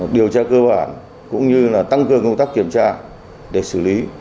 điều tra cơ bản cũng như là tăng cường công tác kiểm tra để xử lý